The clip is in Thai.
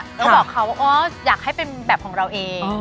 แล้วบอกเขาว่าอยากให้เป็นแบบของเราเอง